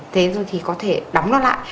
thế rồi thì có thể đóng nó lại